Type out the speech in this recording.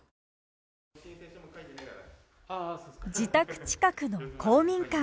自宅近くの公民館。